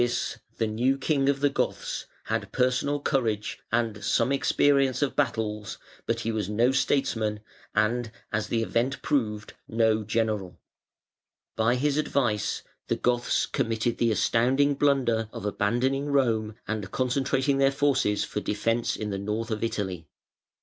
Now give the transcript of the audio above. ] Witigis, the new king of the Goths, had personal courage and some experience of battles, but he was no statesman and, as the event proved, no general. By his advice, the Goths committed the astounding blunder of abandoning Rome and concentrating their forces for defence in the north of Italy.